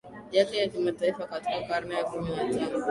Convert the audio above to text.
yake ya kimataifa Katika karne ya kumi na tano